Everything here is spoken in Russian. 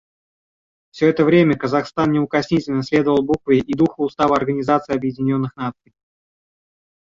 Все это время Казахстан неукоснительно следовал букве и духу Устава Организации Объединенных Наций.